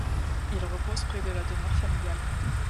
Il repose près de la demeure familiale.